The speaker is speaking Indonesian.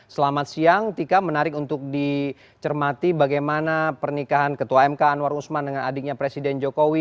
selamat siang tika menarik untuk dicermati bagaimana pernikahan ketua mk anwar usman dengan adiknya presiden jokowi